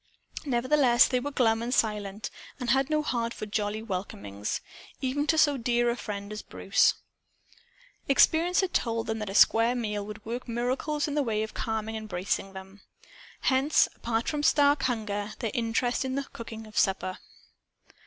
Nevertheless they were glum and silent and had no heart for jolly welcomings, even to so dear a friend as Bruce. Experience told them that a square meal would work miracles in the way of calming and bracing them. Hence, apart from stark hunger, their interest in the cooking of supper.